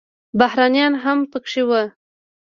بهرنیان هم پکې وو.